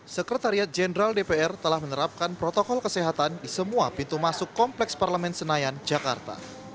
sekretariat jenderal dpr telah menerapkan protokol kesehatan di semua pintu masuk kompleks parlemen senayan jakarta